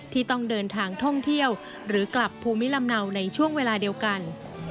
ที่ต้องเดินทางท่องเที่ยวหรือกลับภูมิลำเนาในช่วงเวลาเดียวกัน